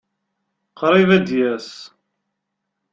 Qṛib ad yas.